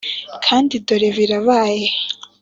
kandi dore birabaye